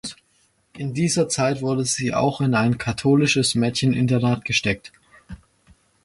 In dieser Zeit wurde sie auch in ein katholisches Mädcheninternat gesteckt.